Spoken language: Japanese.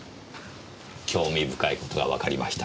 興味深い事がわかりました。